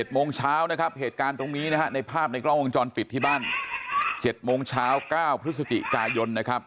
โมงเช้านะครับเหตุการณ์ตรงนี้นะฮะในภาพในกล้องวงจรปิดที่บ้าน๗โมงเช้า๙พฤศจิกายนนะครับ